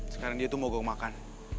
sekarang dia tuh mau gue makan